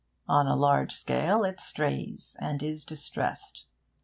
On a large scale it strays and is distressed.